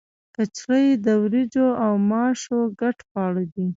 کچړي د وریجو او ماشو ګډ خواړه دي.